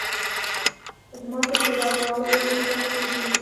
زما تجربه دواړو لورو ته رسېږي.